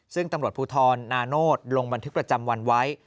ซึ่งตำรวจภูทรนาโนธลงบันทึกประจำวันไว้